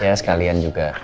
ya sekalian juga